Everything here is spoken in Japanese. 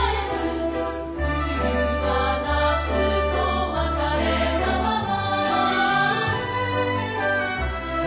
「冬は夏と別れたまま」